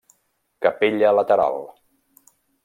Capella lateral.